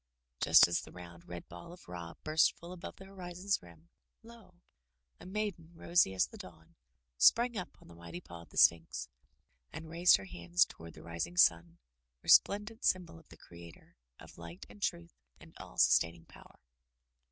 Just as the round, red ball of Ra burst full above the hori zon's rim, lo! a maiden, rosy as the dawn, sprang up on the mighty paw of the Sphinx, and raised her hands toward the rising sun — resplendent symbol of the Creator, of Light and Truth and all sustaining Power.